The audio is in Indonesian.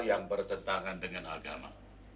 yang bertentangan dengan agama